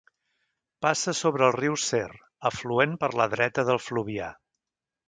Passa sobre el riu Ser, afluent per la dreta del Fluvià.